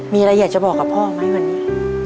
มีอะไรอยากจะบอกกับพ่อไหมวันนี้